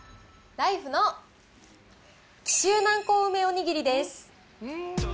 ライフの紀州南高梅おにぎりです。